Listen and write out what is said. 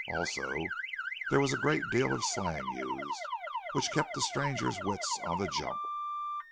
Also, there was a great deal of slang used, which kept a stranger's wits on the jump.